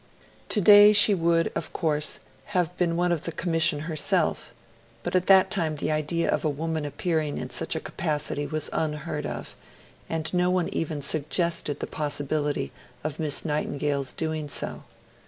Today she would, of course, have been one of the Commission herself; but at that time the idea of a woman appearing in such a capacity was unheard of; and no one even suggested the possibility of Miss Nightingale's doing so.